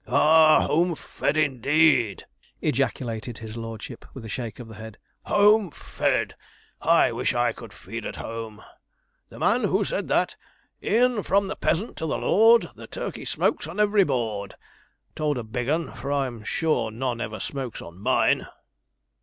'Ah, home fed, indeed!' ejaculated his lordship, with a shake of the head: 'home fed: wish I could feed at home. The man who said that E'en from the peasant to the lord, The turkey smokes on every board, told a big un, for I'm sure none ever smokes on mine.'